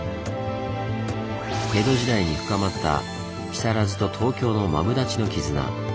江戸時代に深まった木更津と東京のマブダチの絆。